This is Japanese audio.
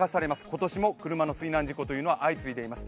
今年も車の水難事故というのは相次いでいます